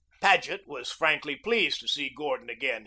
Paget was frankly pleased to see Gordon again.